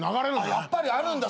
やっぱりあるんだ。